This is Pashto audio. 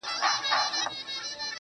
هغه به چيري وي.